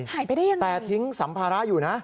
หายไปได้ยังไงแต่ทิ้งสัมภาระอยู่นะ